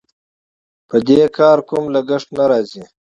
په دې کار کوم لګښت نه راځي.